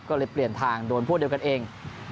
ก็เลยเปลี่ยนทางโดนพวกเดียวกันเอง